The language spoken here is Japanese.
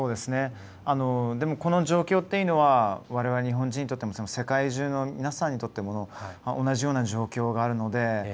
この状況というのはわれわれ日本人にとっても世界中の皆さんにとっても同じような状況があるので。